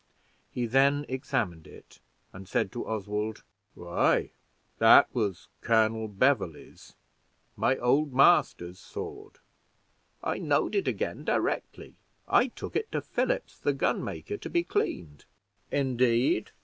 He then examined it, and said to Oswald, "Why that was Colonel Beverley's, my old master's sword. I knowed it again directly. I took it to Phillips, the gun maker, to be cleaned." "Indeed!"